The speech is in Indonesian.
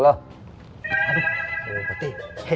ah kamu sudah mati